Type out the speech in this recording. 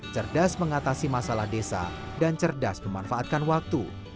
cerdas mengatasi masalah desa dan cerdas memanfaatkan waktu